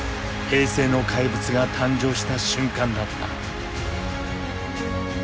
平成の怪物が誕生した瞬間だった。